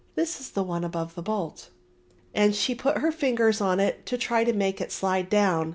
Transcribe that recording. This is the one above the bolt," and she put her fingers on it to try and make it slide down.